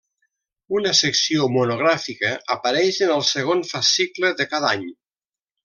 Una secció monogràfica apareix en el segon fascicle de cada any.